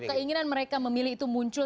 keinginan mereka memilih itu muncul